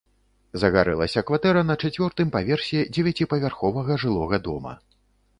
Загарэлася кватэра на чацвёртым паверсе дзевяціпавярховага жылога дома.